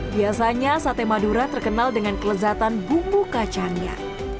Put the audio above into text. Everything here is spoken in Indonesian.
biasanya sate madura terkenal dengan kelezatan bumbu kacangnya